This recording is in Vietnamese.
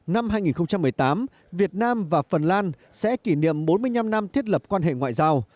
năm hai nghìn một mươi tám việt nam và phần lan sẽ kỷ niệm bốn mươi năm năm thiết lập quan hệ ngoại giao